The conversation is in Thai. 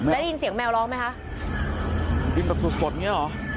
และได้ยินเสียงแมวร้องไหมคะยินแบบสวดเงี้ยเหรอ